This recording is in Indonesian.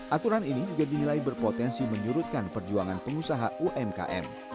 aturan ini juga dinilai berpotensi menyurutkan perjuangan pengusaha umkm